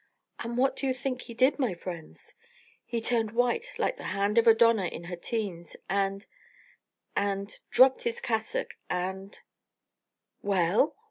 And what do you think he did, my friends? He turned white like the hand of a dona in her teens and and dropped his cassock. And " "Well?